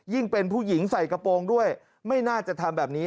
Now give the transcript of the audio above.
เป็นผู้หญิงใส่กระโปรงด้วยไม่น่าจะทำแบบนี้